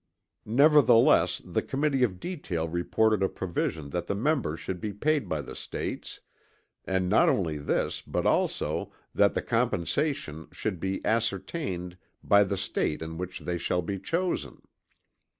Nevertheless the Committee of Detail reported a provision that the members should be paid by the States; and, not only this, but also, that the compensation should be "ascertained" "by the State in which they shall be chosen."